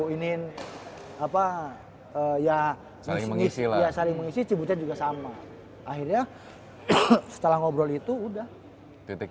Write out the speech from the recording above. ini apa ya saling mengisi saling mengisi cibutet juga sama akhirnya setelah ngobrol itu udah titik